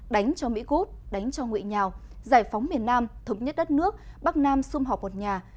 đánh cho mỹ cút đánh cho nguyễn nhào giải phóng miền nam thống nhất đất nước bắc nam xung họp một nhà